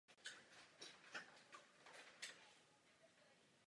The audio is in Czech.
Novinkou bylo rovněž hudební vyvrcholení v každém z dní v týdnu.